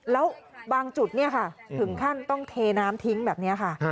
แล้วบางจุดถึงขั้นต้องเทน้ำทิ้งแบบนี้ค่ะ